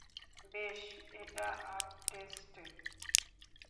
বেশ, এটা আপস্টেটে।